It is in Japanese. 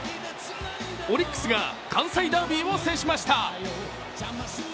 オリックスが関西ダービーを制しました。